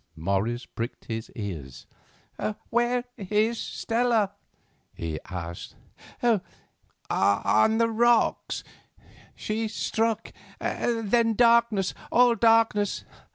Morris pricked his ears. "Where is Stella?" he asked. "On the rocks. She struck, then darkness, all darkness.